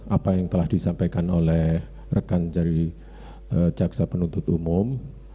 apa yang telah disampaikan oleh rekan dari jaksa penuntut umum